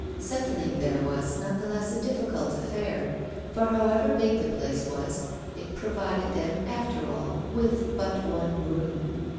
Settling there was, nevertheless, a difficult affair; for however big the place was, it provided them, after all, with but one room.